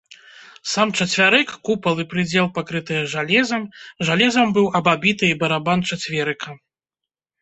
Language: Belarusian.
Сам чацвярык, купал і прыдзел пакрытыя жалезам, жалезам быў абабіты і барабан чацверыка.